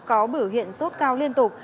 có biểu hiện sốt cao liên tục